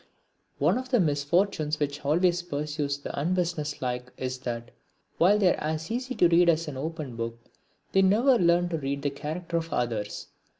One of the misfortunes which always pursues the unbusinesslike is that, while they are as easy to read as an open book, they never learn to read the character of others.